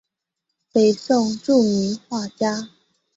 北宋著名画家。